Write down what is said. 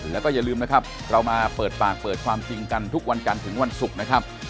แล้วก็อย่าลืมนะครับเรามาเปิดปากเปิดความจริงกันทุกวันจันทร์ถึงวันศุกร์นะครับ